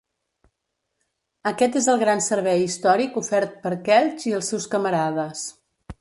Aquest és el gran servei històric ofert per Quelch i els seus camarades.